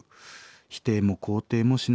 否定も肯定もしない